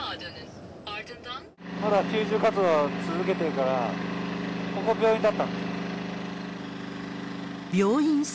まだ救助活動続けているから、ここ、病院だったんです。